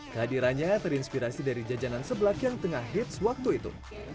kehadirannya terinspirasi dari jajanan sebelak yang tengah hits waktu itu